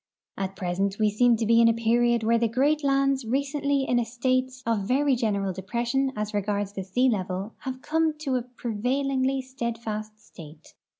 At present we seem to be in a period where the great lands recently in a state of ver^'' general depression as regards the sea level have come to a pre vailingly steadfast state.